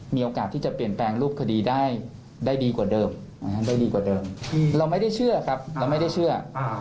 มีโอกาสที่จะเปลี่ยนแปลงรูปคดีได้ดีกว่าเดิมได้ดีกว่าเดิมเราไม่ได้เชื่อครับเราไม่ได้เชื่อ